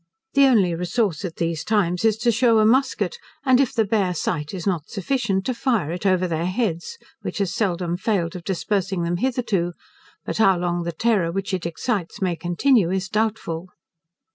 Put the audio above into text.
The only resource at these times is to shew a musquet, and if the bare sight is not sufficient, to fire it over their heads, which has seldom failed of dispersing them hitherto, but how long the terror which it excites may continue is doubtful.